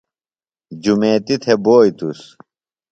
جُمیتیۡ تھےۡ بوئی تُس